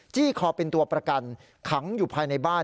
คอเป็นตัวประกันขังอยู่ภายในบ้าน